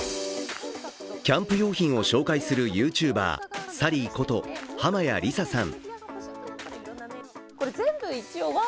キャンプ用品を紹介するＹｏｕＴｕｂｅｒ、サリーこと濱屋理沙さん。